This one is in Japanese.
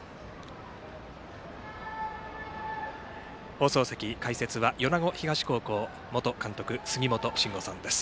放送席、解説は米子東高校元監督杉本真吾さんです。